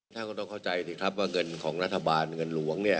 ท่านก็ต้องเข้าใจสิครับว่าเงินของรัฐบาลเงินหลวงเนี่ย